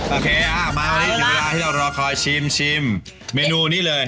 โอเคมาวันนี้ถึงเวลาที่เรารอคอยชิมเมนูนี้เลย